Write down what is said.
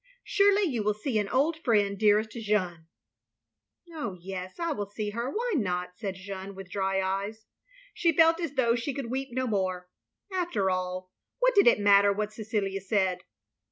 *' Surely you will see an old friend^ dearest Jeanne?'' " Oh yes, I will see her; why not ?" said Jeanne, with dry eyes. She felt as though she could weep no more. After all, what did it matter what Cecilia said?